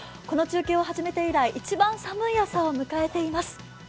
この中継を始めて以来、一番寒い朝を迎えています。